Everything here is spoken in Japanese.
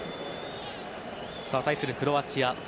さあ、対するクロアチア。